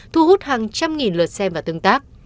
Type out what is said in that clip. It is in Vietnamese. thu hút hàng trăm nghìn lượt xem và tương tác